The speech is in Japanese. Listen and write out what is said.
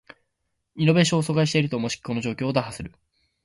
イノベーションを阻害していると思しきこの状況を打破する